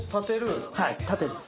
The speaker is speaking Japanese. はい縦です。